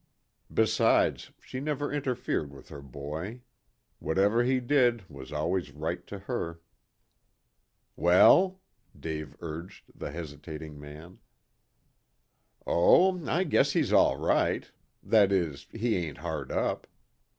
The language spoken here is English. Besides, she never interfered with her boy. Whatever he did was always right to her. "Well?" Dave urged the hesitating man. "Oh, I guess he's all right. That is he ain't hard up.